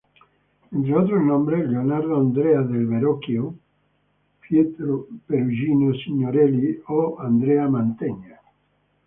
Entre otros nombres, Leonardo, Andrea del Verrocchio, Pietro Perugino, Signorelli o Andrea Mantegna.